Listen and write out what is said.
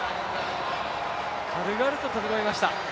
軽々と跳び越えました。